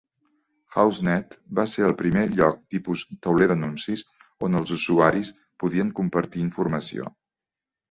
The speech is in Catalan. HouseNet va ser el primer lloc tipus tauler d'anuncis on els usuaris podien compartir informació.